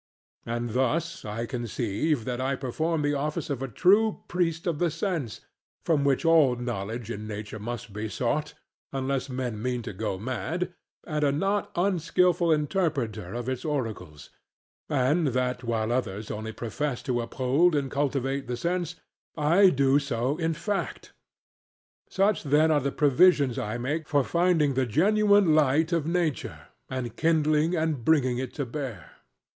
And thus I conceive that I perform the office of a true priest of the sense (from which all knowledge in nature must be sought, unless men mean to go mad) and a not unskilful interpreter of its oracles; and that while others only profess to uphold and cultivate the sense, I do so in fact. Such then are the provisions I make for finding the genuine light of nature and kindling and bringing it to bear.